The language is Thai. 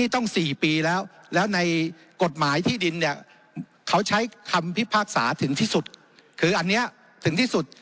ตามคำพิพากษาถึงที่สุดคืออันนี้ถึงที่สุด